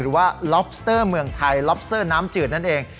ว่าล็อบสเตอร์เมืองไทยล็อบเซอร์น้ำจืดนั่นเอง